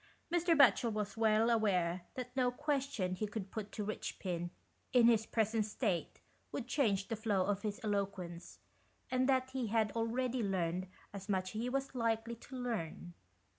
Mr. Batchel was well aware that no question he could put to Eichpin, in his present state, would change the flow of his eloquence, and that he had already learned as much as he was likely to learn.